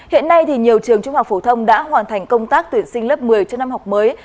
hiện nay nhiều trường trung học phổ thông đã hoàn thành công tác tuyển sinh lớp một mươi cho năm học mới